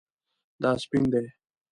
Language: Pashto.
دا سپین دی